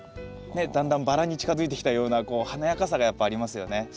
ねっだんだんバラに近づいてきたような華やかさがやっぱありますよね。